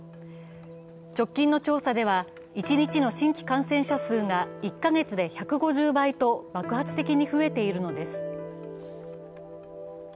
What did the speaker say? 直近の調査では、一日の新規感染者数が１カ月で１５０倍と爆発的に増えているのです。